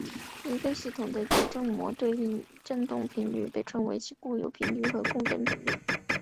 一个系统的简正模对应的振动频率被称为其固有频率或共振频率。